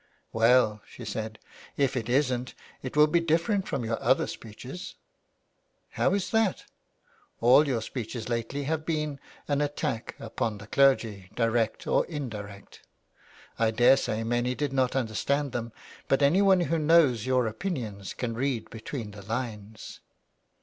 " Well," she said, '' if it isn't it will be different from your other speeches.'' " How is that V *' All your speeches lately have been an attack upon 349 THE WILD GOOSE. the clergy direct or indirect. I daresay many did not understand them but anyone who knows your opinions can read between the lines."